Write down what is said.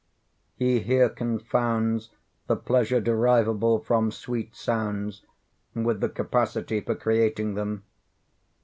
He here confounds the pleasure derivable from sweet sounds with the capacity for creating them.